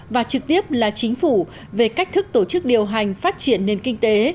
và trực tiếp là chính phủ về cách thức tổ chức điều hành phát triển nền kinh tế